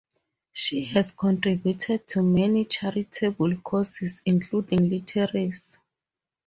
She has contributed to many charitable causes, including literacy.